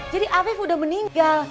jadi afif udah meninggal